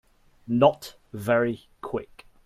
Not very Quick.